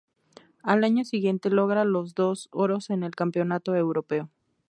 Al año siguiente logra los dos oros en el campeonato europeo.